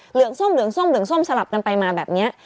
เหลืองส้มสลับกันไปมาแบบนี้